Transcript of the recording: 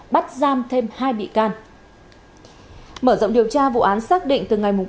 bắt giam thêm hai bị can